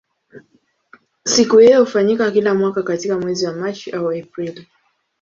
Siku hiyo hufanyika kila mwaka katika mwezi wa Machi au Aprili.